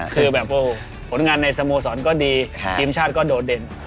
คือแบบผลงานในสโมสรก็ดีทีมชาติก็โดดเด่น